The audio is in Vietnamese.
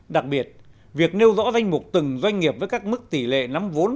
đặc biệt việc nêu rõ danh mục từng doanh nghiệp với các mức tỷ lệ nắm vốn